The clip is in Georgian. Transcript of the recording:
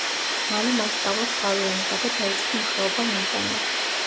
მალე მან სწავლას თავი ანება და დაიწყო მუშაობა მიმტანად.